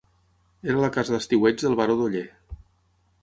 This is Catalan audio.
Era la casa d'estiueig del baró d'Oller.